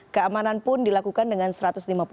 keamanan pun dilakukan dengan seratus desa